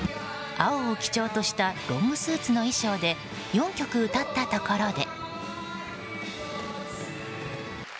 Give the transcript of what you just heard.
青を基調としたロングスーツの衣装で４曲歌ったところで。